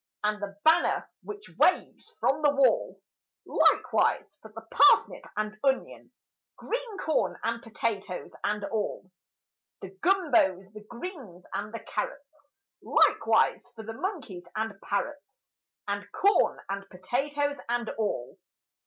And the banner which waves from the wall; Likewise for the parsnip and onion, Green corn and potatoes and all! The gumbos, the greens, and the carrots— Likewise for the monkeys and parrots, And corn and potatoes and all!